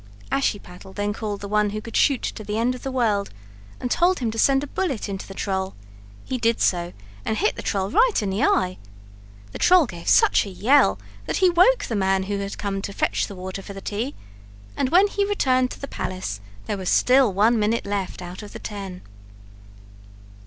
Ashiepattle then called the one who could shoot to the end of the world and told him to send a bullet into the troll; he did so and hit the troll right in the eye. The troll gave such a yell that he woke the man who had come to fetch the water for the tea, and when he returned to the palace there was still one minute left out of the ten.